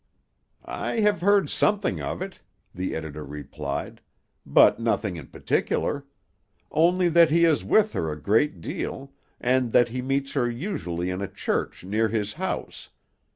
"I have heard something of it," the editor replied, "but nothing in particular; only that he is with her a great deal, and that he meets her usually in a church near his house.